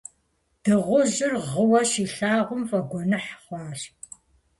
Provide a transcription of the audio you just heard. Дыгъужьыр гъыуэ щилъагъум, фӏэгуэныхь хъуащ.